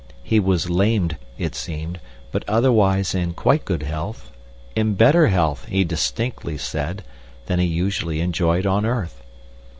He was lamed, it seemed, but otherwise in quite good health—in better health, he distinctly said, than he usually enjoyed on earth.